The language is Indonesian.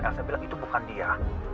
elsa bilang itu bukan dia